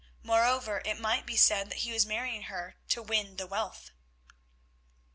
Moreover it might be said that he was marrying her to win the wealth.